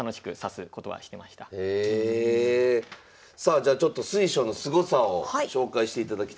さあじゃあちょっと水匠のすごさを紹介していただきたいと思います。